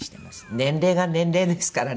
年齢が年齢ですからね。